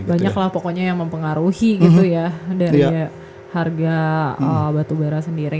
banyak lah pokoknya yang mempengaruhi gitu ya dari harga batubara sendiri